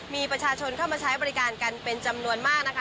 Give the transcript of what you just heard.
มีประชาชนเข้ามาใช้บริการกันเป็นจำนวนมากนะคะ